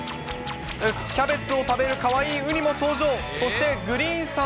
キャベツを食べるかわいいウニも登場。